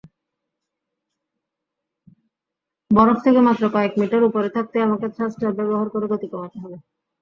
বরফ থেকে মাত্র কয়েক মিটার ওপরে থাকতেই আমাকে থ্রাস্টার ব্যবহার করে গতি কমাতে হবে।